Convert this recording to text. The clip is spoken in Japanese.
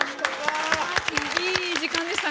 いい時間でしたね。